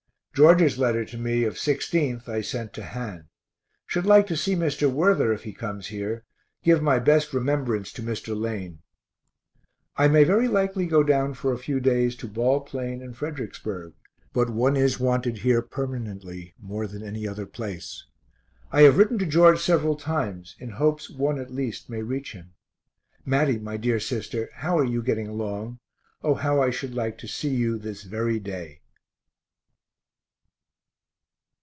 George's letter to me of 16th I sent to Han. Should like to see Mr. Worther if he comes here give my best remembrance to Mr. Lane. I may very likely go down for a few days to Ball Plain and Fredericksburg, but one is wanted here permanently more than any other place. I have written to George several times in hopes one at least may reach him. Matty, my dear sister, how are you getting along? O how I should like to see you this very day.